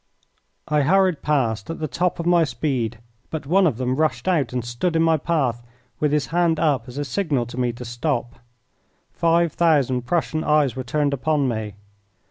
I hurried past at the top of my speed, but one of them rushed out and stood in my path with his hand up as a signal to me to stop. Five thousand Prussian eyes were turned upon me.